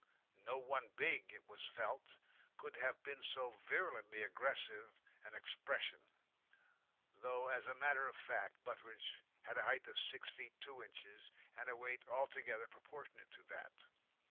No one big, it was felt, could have so virulently aggressive an expression, though, as a matter of fact, Butteridge had a height of six feet two inches, and a weight altogether proportionate to that.